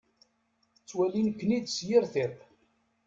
Ttwalin-ken-id s yir tiṭ.